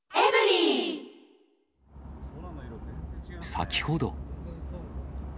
先ほど。